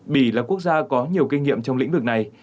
bỉ là quốc gia có nhiều kinh nghiệm trong lĩnh vực này